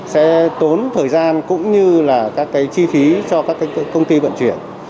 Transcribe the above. sẽ tốn thời gian cũng như là các cái chi phí cho các cái công ty vận chuyển